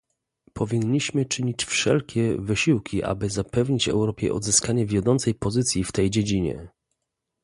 Powinniśmy czynić wszelkie wysiłki, aby zapewnić Europie odzyskanie wiodącej pozycji w tej dziedzinie